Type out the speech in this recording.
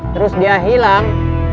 terus dia hilang